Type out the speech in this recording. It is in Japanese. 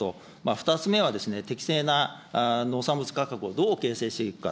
２つ目は適正な農産物価格をどう形成していくか。